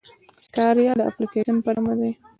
کاریال د اپليکيشن په مانا دی.